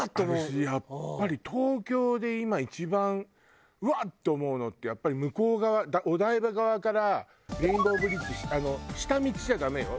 私やっぱり東京で今一番うわっ！って思うのってやっぱり向こう側お台場側からレインボーブリッジ下道じゃダメよ